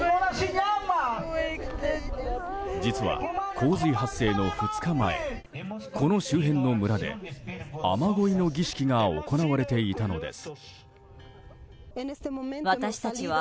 実は、洪水発生の２日前この周辺の村で雨乞いの儀式が行われていたのです。